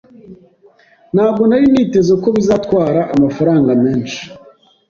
Ntabwo nari niteze ko bizatwara amafaranga menshi.